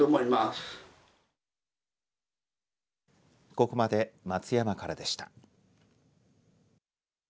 ここまで松山からでした。